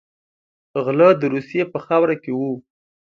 غله د روسیې په خاوره کې وو.